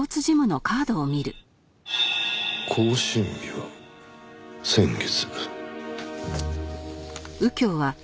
更新日は先月。